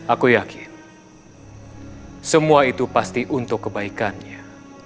aku yakin semua itu pasti untuk kebaikannya